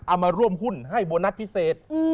เอามาร่วมหุ้นให้โบนัสพิเศษ